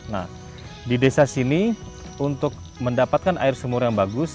nah di desa sini untuk mendapatkan air sumur yang bagus